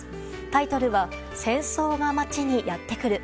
タイトルは「戦争が町にやってくる」。